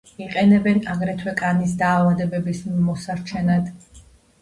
იყენებენ აგრეთვე კანის დაავადებების მოსარჩენად.